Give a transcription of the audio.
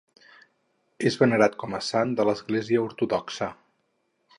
És venerat com a sant per l'Església ortodoxa.